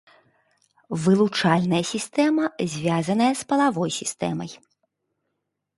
Вылучальная сістэма звязаная з палавой сістэмай.